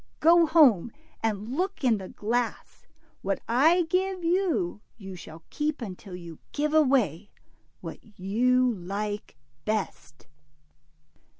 Go home, and look in the glass. What I give you, you shall keep until you give away what you like best."